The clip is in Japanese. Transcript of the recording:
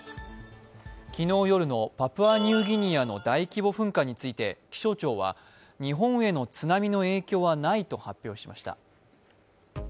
昨日夜のパプアニューギニアの大規模噴火について気象庁は日本への津波の影響はないと発表しました。